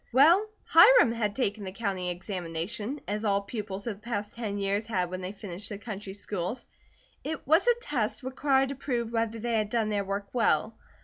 Well, Hiram had taken the county examination, as all pupils of the past ten years had when they finished the country schools. It was a test required to prove whether they had done their work well.